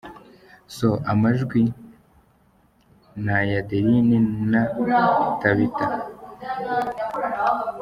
So, amajwi ni ay’Adeline na Tabitha.